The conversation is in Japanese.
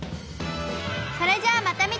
それじゃあまたみてね！